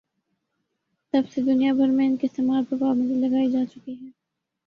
تب سے دنیا بھر میں ان کے استعمال پر پابندی لگائی جاچکی ہے